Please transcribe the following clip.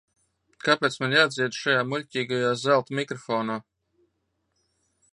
Kāpēc man jādzied šajā muļķīgajā zelta mikrofonā?